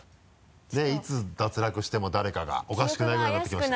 ねぇいつ脱落しても誰かがおかしくないぐらいになってきました。